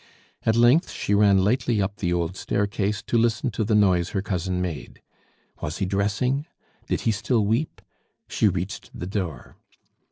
At length she ran lightly up the old staircase to listen to the noise her cousin made. Was he dressing? Did he still weep? She reached the door.